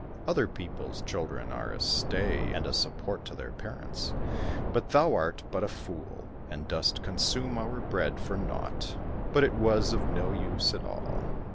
Other people's children are a stay and a support to their parents, but thou art but a fool and dost consume our bread for naught." But it was of no use at all.